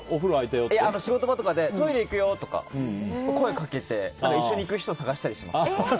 仕事場とかでトイレ行くよって声掛けて、一緒に行く人探したりします。